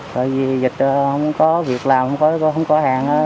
tại vì dịch không có việc làm không có hàng